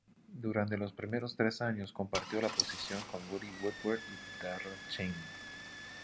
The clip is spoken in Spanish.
Durante los primeros tres años compartió la posición con Woody Woodward y Darrel Chaney.